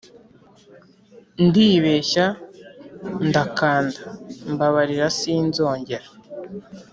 ndibeshya ndakanda mbabarira sinzongera